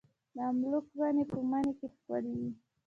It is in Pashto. د املوک ونې په مني کې ښکلې وي.